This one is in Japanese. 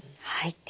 はい。